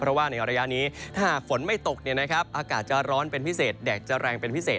เพราะว่าในระยะนี้ถ้าหากฝนไม่ตกอากาศจะร้อนเป็นพิเศษแดดจะแรงเป็นพิเศษ